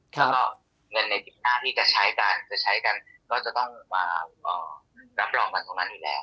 แล้วก็เงินในปีหน้าที่จะใช้กันก็จะต้องมารับรองกันตรงนั้นอีกแล้ว